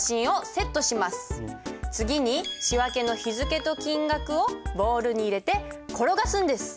次に仕訳の日付と金額をボールに入れて転がすんです。